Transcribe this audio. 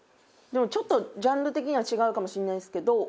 でもちょっとジャンル的には違うかもしれないんですけど。